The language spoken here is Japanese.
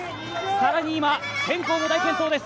更に今、センコーも大健闘です。